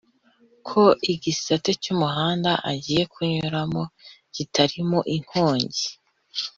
ko igisate cy’umuhanda agiye kunyuraniramo kitarimo inkomyi